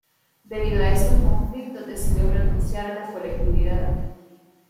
Debido a estos conflictos decidió renunciar a la colectividad.